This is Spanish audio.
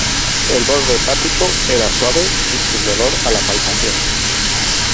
El borde hepático era suave y sin dolor a la palpación.